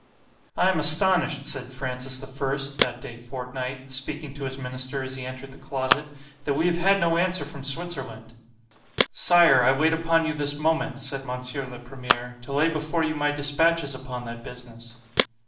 I am astonished, said Francis the First, (that day fortnight) speaking to his minister as he entered the closet, that we have had no answer from Switzerland.——Sire, I wait upon you this moment, said Mons. le Premier, to lay before you my dispatches upon that business.